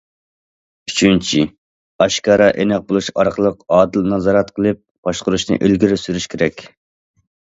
ئۈچىنچى، ئاشكارا، ئېنىق بولۇش ئارقىلىق ئادىل نازارەت قىلىپ باشقۇرۇشنى ئىلگىرى سۈرۈش كېرەك.